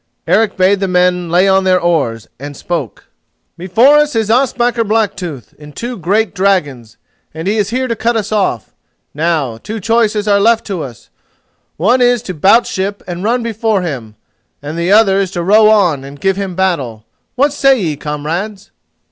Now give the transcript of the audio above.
Eric bade the men lay on their oars, and spoke: "Before us is Ospakar Blacktooth in two great dragons, and he is here to cut us off. Now two choices are left to us: one is to bout ship and run before him, and the other to row on and give him battle. What say ye, comrades?"